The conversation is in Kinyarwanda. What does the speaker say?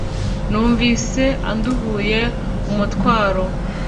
numvise anduhuye umutwaro